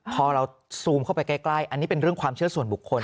พอเราซูมเข้าไปใกล้อันนี้เป็นเรื่องความเชื่อส่วนบุคคล